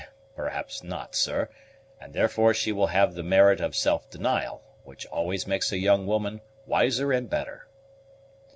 "Perhaps not, sir; and therefore she will have the merit of self denial, which always makes a young woman wiser and better."